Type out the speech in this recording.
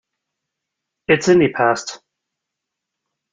It's in the past.